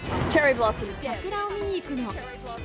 桜を見に行くの。